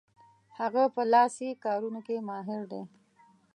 هغه په لاسي کارونو کې ماهر دی.